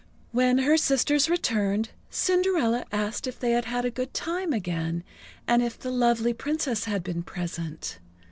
When her sisters returned, Cinderella asked if they had had a good time again, and if the lovely Princess had been present.